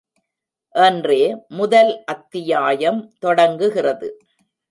என்றே முதல் அத்தியாயம் தொடங்குகிறது.